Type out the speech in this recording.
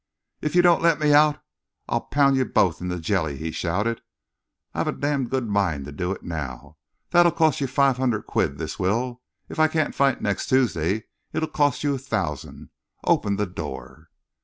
"If you don't let me out, you b y b s, I'll pound you both into a jelly!" he shouted. "I've a damned good mind to do it now! This'll cost you five hundred quid, this will! If I can't fight next Tuesday, it'll cost you a thousand. Open the b y door!"